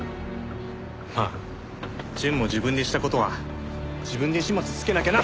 まあ淳も自分でした事は自分で始末つけなきゃな。